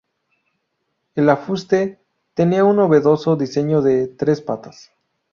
El afuste tenía un novedoso diseño de tres patas.